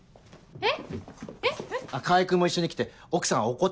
えっ？